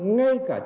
ngay cả trong